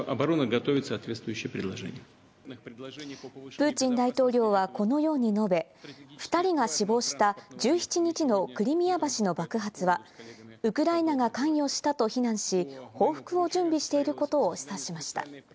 プーチン大統領はこのように述べ、２人が死亡した１７日のクリミア橋の爆発は、ウクライナが関与したと非難し、報復を準備していることを示唆しました。